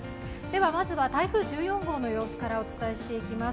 まずは台風１４号の様子からお伝えしていきます。